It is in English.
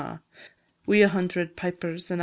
Wi' a hundred pipers, &c.